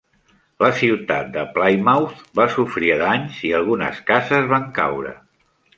La ciutat de Plymouth va sofrir danys i algunes cases van caure.